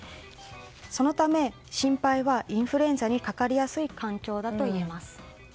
そのため心配はインフルエンザにかかりやすい環境だといえます。